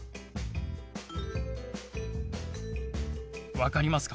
分かりますか？